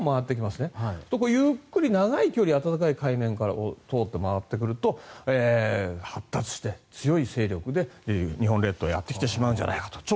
するとゆっくり長い距離暖かい海面を通って回ってくると発達して強い勢力で日本列島へやってきてしまうんじゃないかと。